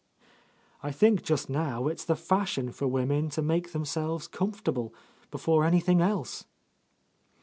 "I think just now it's the fashion for women to make themselves comfortable, before anything else."